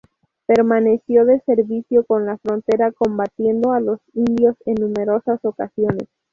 Permaneció de servicio en la frontera combatiendo a los indios en numerosas ocasiones.